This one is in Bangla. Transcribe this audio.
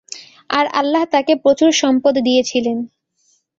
আর আল্লাহ তাঁকে প্রচুর সম্পদ দিয়েছিলেন।